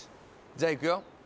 じゃあいくよ。